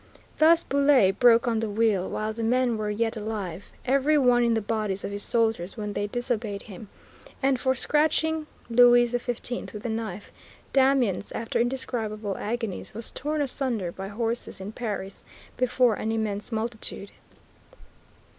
Thus Bouillé broke on the wheel, while the men were yet alive, every bone in the bodies of his soldiers when they disobeyed him; and for scratching Louis XV, with a knife, Damiens, after indescribable agonies, was torn asunder by horses in Paris, before an immense multitude.